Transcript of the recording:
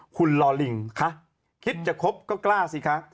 คุณลอลิงคะคิดจะคบก็กล้าสิคะ